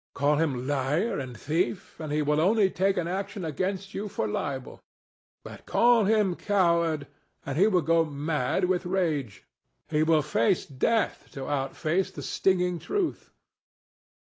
Call him liar and thief; and he will only take an action against you for libel. But call him coward; and he will go mad with rage: he will face death to outface that stinging truth.